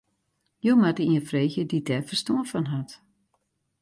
Jo moatte ien freegje dy't dêr ferstân fan hat.